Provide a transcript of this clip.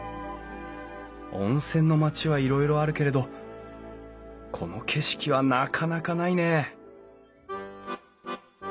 温泉の町はいろいろあるけれどこの景色はなかなかないねえ